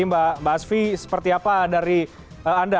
mbak asvi seperti apa dari anda